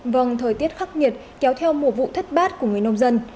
vâng thời tiết khắc nghiệt kéo theo mùa vụ thất bát của người nông dân